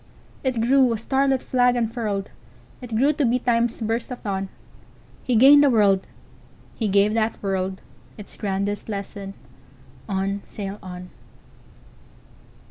It grew, a starlit flag unfurled! It grew to be Time's burst of dawn. He gained a world; he gave that worldIts grandest lesson: "On! sail on!"